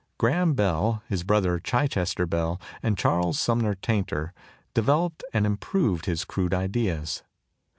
Graham Bell, his brother, Chichester Bell, and Charles Sumner Tainter, developed and improved his crude ideas.